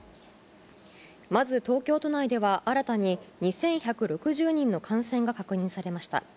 まず東京都内では新たに２１６０人の感染が確認されました。